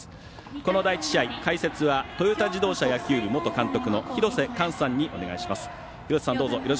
この第１試合解説はトヨタ自動車野球部元監督の廣瀬寛さんにお願いします。